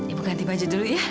ibu ganti baju dulu ya